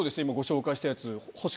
今ご紹介したやつ。